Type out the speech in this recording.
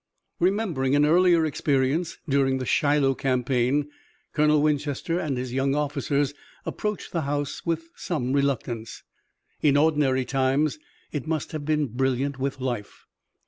Remembering an earlier experience during the Shiloh campaign Colonel Winchester and his young officers approached the house with some reluctance. In ordinary times it must have been brilliant with life.